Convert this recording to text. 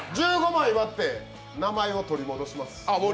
１５枚割って、名前を取り戻します。